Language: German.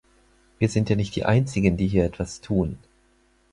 Wir sind ja nicht die Einzigen, die hier etwas tun.